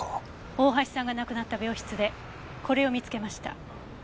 大橋さんが亡くなった病室でこれを見つけました。